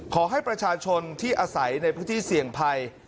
ขอให้ประชาชนที่อาศัยในพื้นที่เสี่ยงภัย